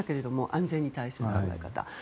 安全に対する考え方。